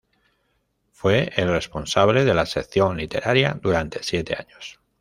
Fue el responsable de la sección literaria durante siete años.